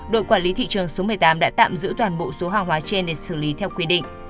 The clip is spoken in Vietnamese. đội quản lý thị trường số một mươi tám đã tạm giữ toàn bộ số hàng hóa trên để xử lý theo quy định